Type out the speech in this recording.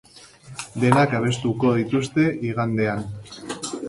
Denak abestuko dituzte igandean.